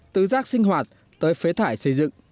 từ rác sinh hoạt tới phế thải xây dựng